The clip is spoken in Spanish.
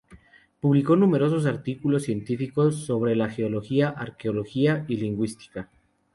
Publicó numerosos artículos científicos sobre geología, arqueología y lingüística.